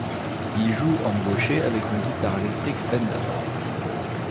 Il joue en gaucher avec une guitare électrique Fender.